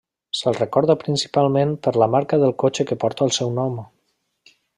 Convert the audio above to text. Se'l recorda principalment per la marca del cotxe que porta el seu nom.